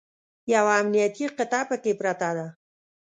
یوه امنیتي قطعه پکې پرته ده.